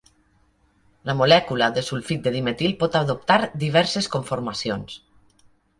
La molècula de sulfit de dimetil pot adoptar diverses conformacions.